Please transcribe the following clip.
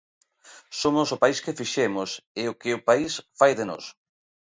Somos o país que fixemos e o que o país fai de nós.